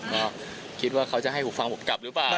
ก็คิดว่าเขาจะให้ผมฟังผมกลับหรือเปล่า